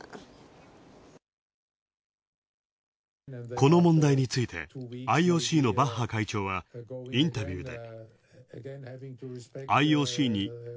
この問題についてＩＯＣのバッハ会長は、インタビューで。